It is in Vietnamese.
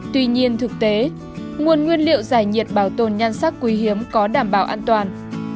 tuy nhiên thực tế nguồn nguyên liệu giải nhiệt bảo tồn nhan sắc quý hiếm có đảm bảo an toàn